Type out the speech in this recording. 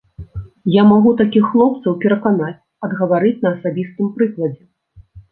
Я магу такіх хлопцаў пераканаць, адгаварыць на асабістым прыкладзе.